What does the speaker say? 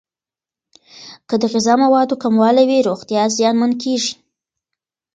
که د غذا موادو کموالی وي، روغتیا زیانمن کیږي.